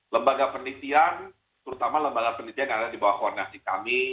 lembaga penelitian terutama lembaga penelitian yang ada di bawah koordinasi kami